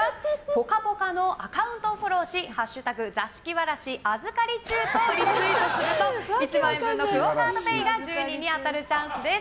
「ぽかぽか」のアカウントをフォローし「＃座敷わらし預かり中」でリツイートすると１万円分のＱＵＯカードＰａｙが１０人に当たるチャンスです。